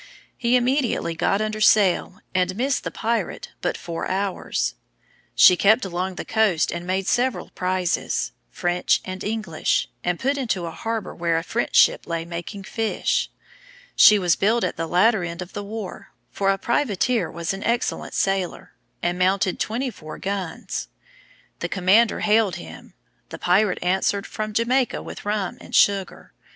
He immediately got under sail, and missed the pirate but four hours. She kept along the coast and made several prizes, French and English, and put into a harbor where a French ship lay making fish. She was built at the latter end of the war, for a privateer, was an excellent sailer, and mounted 24 guns. The commander hailed him: the pirate answered, from Jamaica with rum and sugar.